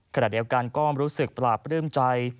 ขณะเดียวกันก็รู้สึกปราบปลื้มใจ